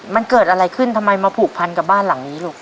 มันเกิดอะไรขึ้นทำไมมาผูกพันกับบ้านหลังนี้ลูก